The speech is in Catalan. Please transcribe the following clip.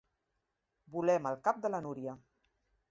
Volem el cap de la Núria.